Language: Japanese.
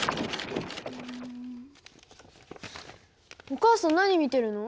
お母さん何見てるの？